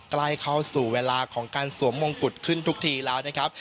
ใกล้เข้าสู่เวลาของการสวมมงกุฎขึ้นทุกทีแล้วนะครับ